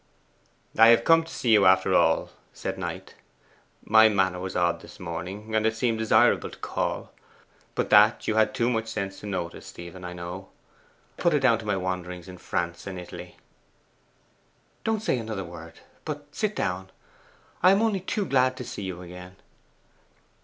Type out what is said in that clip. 'I have come to you, after all,' said Knight. 'My manner was odd this morning, and it seemed desirable to call; but that you had too much sense to notice, Stephen, I know. Put it down to my wanderings in France and Italy.' 'Don't say another word, but sit down. I am only too glad to see you again.